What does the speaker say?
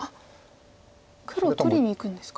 黒を取りにいくんですか？